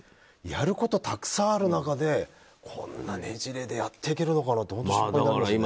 やることたくさんある中でこんなねじれでやっていけるのかなって心配になりますよね。